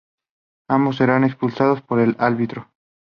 Ambos serían expulsados por el árbitro.